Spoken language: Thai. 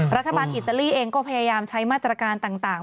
รัฐบาลอิตาลีเองก็พยายามใช้มาตรการต่าง